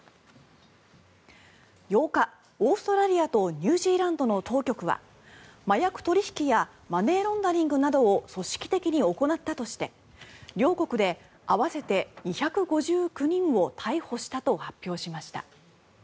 ８日、オーストラリアとニュージーランドの当局は麻薬取引やマネーロンダリングなどを組織的に行ったとして両国で合わせて２５９人を逮捕したと発表しました。